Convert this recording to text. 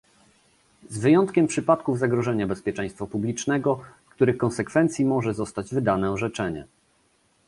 "z wyjątkiem przypadków zagrożenia bezpieczeństwa publicznego, w których konsekwencji może zostać wydane orzeczenie"